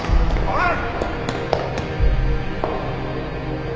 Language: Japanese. おい！